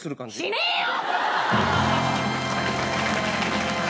しねえよ！